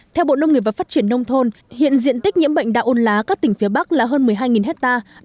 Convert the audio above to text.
theo bộ nông nghiệp và phát triển nông thôn hiện diện tích nhiễm bệnh đạo ôn lá các tỉnh phía bắc là hơn một mươi hai hectare